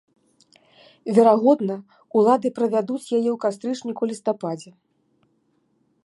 Верагодна, улады правядуць яе ў кастрычніку-лістападзе.